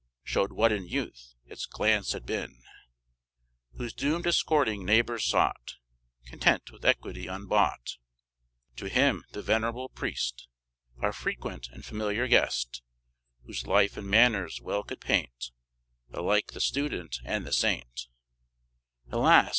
Showed what in youth its glance had been; Whose doom discording neighbors sought, Content with equity unbought; To him the venerable priest, Our frequent and familiar guest, Whose life and manners well could paint Alike the student and the saint; Alas!